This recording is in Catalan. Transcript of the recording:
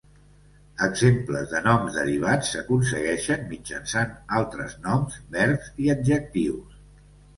Exemples de noms derivats s'aconsegueixen mitjançant altres noms, verbs i adjectius.